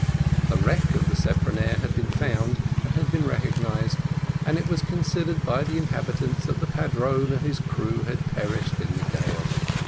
The wreck of the speronare had been found, and had been recognised, and it was considered by the inhabitants that the padrone and his crew had perished in the gale.